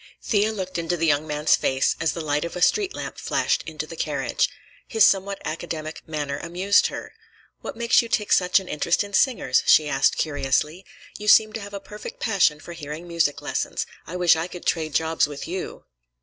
Thea looked into the young man's face as the light of a street lamp flashed into the carriage. His somewhat academic manner amused her. "What makes you take such an interest in singers?" she asked curiously. "You seem to have a perfect passion for hearing music lessons. I wish I could trade jobs with you!"